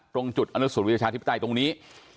ตรงจุดอนุสุรีประชาธิปไตยตรงนี้